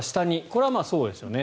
これはそうですよね。